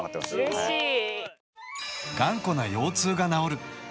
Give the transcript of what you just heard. うれしい。